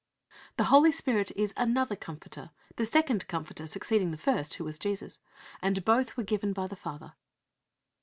The Holy Spirit is "another Comforter," a second Comforter succeeding the first, who was Jesus, and both were given by the Father.